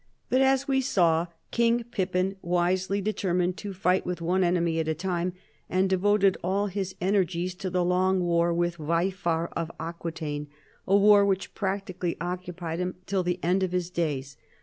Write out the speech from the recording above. But as we saw, King Pippin wisely determined to fight with one enemy at a time, and devoted all his ener gies to the long war with Waifar of Aquitaine, a war which practically occu})ied him till the end of his days.